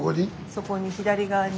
そこに左側に。